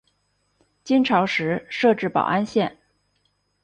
金朝时设置保安县。